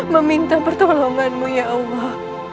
meminta pertolonganmu ya allah